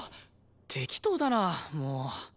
適当だなもう。